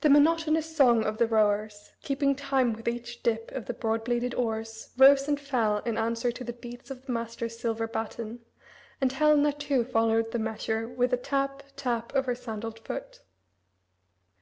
The monotonous song of the rowers, keeping time with each dip of the broad bladed oars, rose and fell in answer to the beats of the master's silver baton, and Helena too followed the measure with the tap, tap, of her sandaled foot.